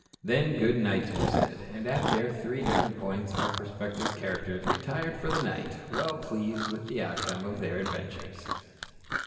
Then "good nights" were said, and at their three different points our respective characters retired for the night, well pleased with the outcome of their adventures.